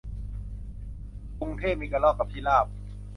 กรุงเทพมีกระรอกกับพิราบ